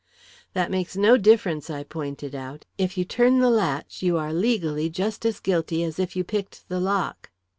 "That makes no difference," I pointed out. "If you turn the latch, you are, legally, just as guilty as if you picked the lock."